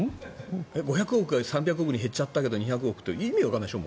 ５００億が３００億に減っちゃったから２００億って意味わからないでしょ。